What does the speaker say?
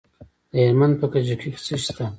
د هلمند په کجکي کې څه شی شته؟